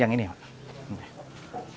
yang ini ya pak